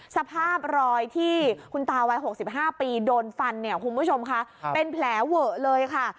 สภาพรอยที่คุณตาวัย๖๕ปีโดนฟันเนี่ยคุณผู้ชมค่ะเป็นแผลเวอะเลยค่ะ